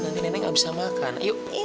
nanti nenek gak bisa makan yuk